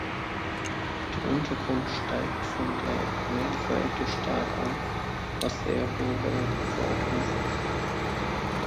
Der Untergrund steigt von der Meerseite stark an, was sehr hohe Wellen hervorruft.